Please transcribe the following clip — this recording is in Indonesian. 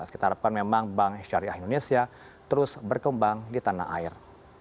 kita harapkan memang bank syariah indonesia terus berkembang di tanah air